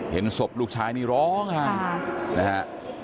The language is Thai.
เห็นศพลูกชายนี่ร้องไห้นะฮะ